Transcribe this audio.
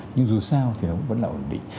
nhưng dù sao thì nó vẫn là ổn định